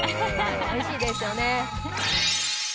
おいしいですよね。